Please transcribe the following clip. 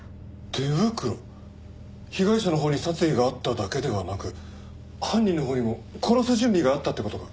手袋被害者のほうに殺意があっただけではなく犯人のほうにも殺す準備があったって事か。